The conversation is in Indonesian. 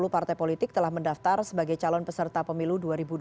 sepuluh partai politik telah mendaftar sebagai calon peserta pemilu dua ribu dua puluh